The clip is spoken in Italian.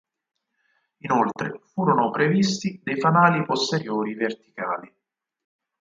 Inoltre, furono previsti dei fanali posteriori verticali.